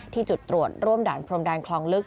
ที่จุดตรวจร่วมด่านพรมแดนคลองลึก